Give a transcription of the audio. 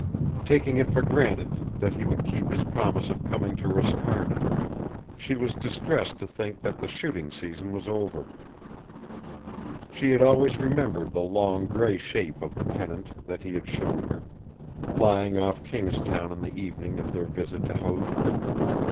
Taking it for granted that he would keep his promise of coming to Roscarna she was distressed to think that the shooting season was over. She had always remembered the long grey shape of the Pennant that he had shewn her, lying off Kingstown on the evening of their visit to Howth.